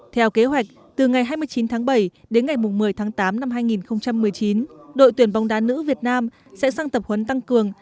theo kế hoạch từ ngày hai mươi chín tháng bảy đến ngày một mươi tháng tám năm hai nghìn một mươi chín đội tuyển bóng đá nữ việt nam sẽ sang tập huấn tăng cường